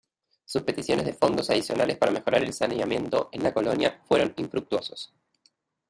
Sus peticiones de fondos adicionales para mejorar el saneamiento en la colonia fueron infructuosos.